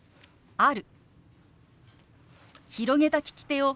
「ある」。